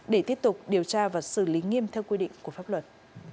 để tiếp tục điều tra và xử lý nghiêm theo quy định của pháp luật